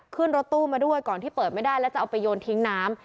ขึ้นรถตู้มาด้วยก่อนที่เปิดไม่ได้แล้วจะเอาไปโยนทิ้งน้ำ